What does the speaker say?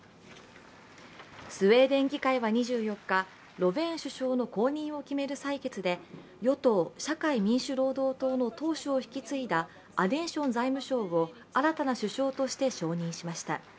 スウェーデン議会は２４日ロヴェーン首相の後任を決める採決で与党・社会民主労働党の党首を引き継いだアンデション財務相を新たな首相として承認しました。